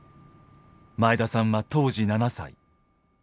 前田さんは当時７歳。